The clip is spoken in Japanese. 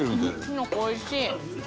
きのこ美味しい。